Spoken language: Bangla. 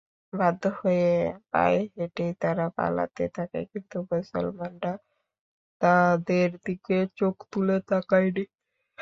বাধ্য হয়ে পায়ে হেঁটেই তারা পালাতে থাকে কিন্তু মুসলমানরা তাদের দিকে চোখ তুলে তাকায়নি।